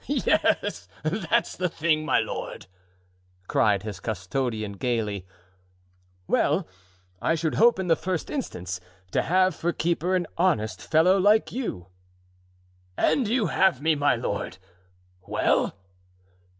"Yes, that's the thing, my lord!" cried his custodian, gaily. "Well, I should hope, in the first instance, to have for keeper an honest fellow like you." "And you have me, my lord. Well?"